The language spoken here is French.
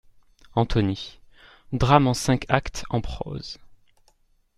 =Antony.= Drame en cinq actes en prose.